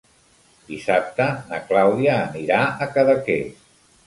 Dissabte na Clàudia anirà a Cadaqués.